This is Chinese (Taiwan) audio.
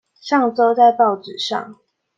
上週在報紙上